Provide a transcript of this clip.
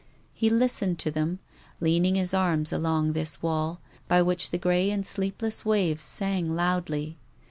He listened to them, leaning his arms along this wall, by which THE RAINBOW. 5 the grey and sleepless waves sang loudly.